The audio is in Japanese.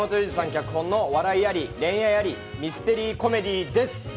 脚本の笑いあり、恋愛ありのミステリアスコメディーです。